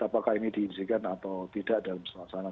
apakah ini diizinkan atau tidak dalam suasana